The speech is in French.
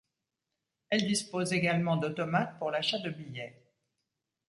Elle dispose également d'automates pour l'achat de billets.